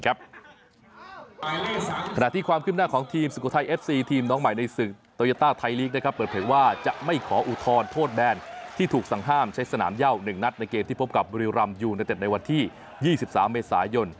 ขณะที่ความคืบหน้าของทีมสุโขทัยเอฟซีทีมน้องใหม่ในศึกโตโยต้าไทยลีกเปิดเผยว่าจะไม่ขออุทธรณ์โทษแบนที่ถูกสั่งห้ามใช้สนามเย่า๑นัดในเกมที่พบกับบุรีรำยูเนตเต็ดในวันที่๒๓เมษายน